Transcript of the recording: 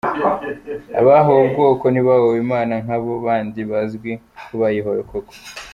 Abahowe ubwoko ntibahowe Imana nk’abo bandi bazwi ko bayihowe koko.